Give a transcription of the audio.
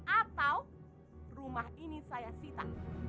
atau rumah ini saya sita